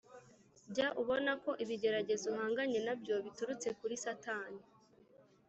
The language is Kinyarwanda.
Jya ubona ko ibigeragezo uhanganye na byo biturutse kuri Satani